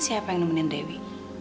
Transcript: siapa yang nemenin dewi